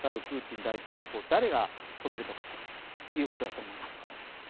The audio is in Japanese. プーチン大統領を誰が止めるのかということだと思います。